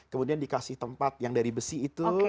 kemudian dikasih tempat yang dari besi itu